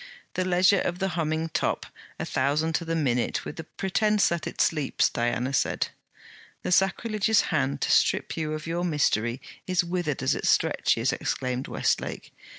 'The leisure of the humming top, a thousand to the minute, with the pretence that it sleeps!' Diana said. 'The sacrilegious hand to strip you of your mystery is withered as it stretches,' exclaimed Westlake.